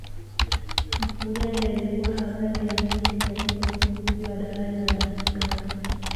mfugale alikuwa habari ya mjini katika ufunguzi wa daraja la mfugale